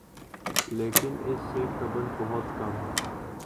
لیکن اس سے قبل بہت کم